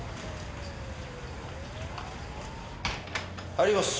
入ります。